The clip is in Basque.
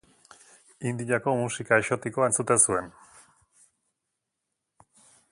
Indiako musika exotikoa entzuten zuen.